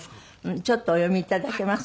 ちょっとお読み頂けます？